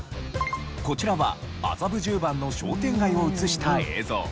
こちらは麻布十番の商店街を映した映像。